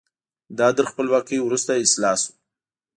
دا تر خپلواکۍ وروسته اصلاح شو.